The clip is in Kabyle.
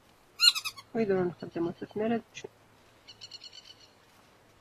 Wid ur nxeddem ur ttafen ara ččen.